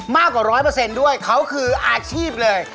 มากกว่า๑๐๐ด้วยเขาคืออาชีพเลย